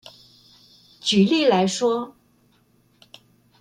舉例來說